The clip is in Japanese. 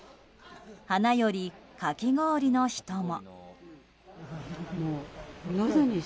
花より、かき氷の人も。